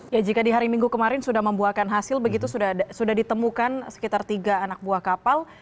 ya jika di hari minggu kemarin sudah membuahkan hasil begitu sudah ditemukan sekitar tiga anak buah kapal